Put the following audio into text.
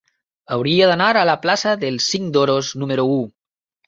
Hauria d'anar a la plaça del Cinc d'Oros número u.